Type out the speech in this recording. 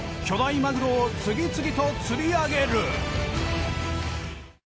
巨大マグロを次々と釣り上げる。